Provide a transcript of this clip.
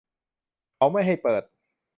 เขาไม่ให้เปิด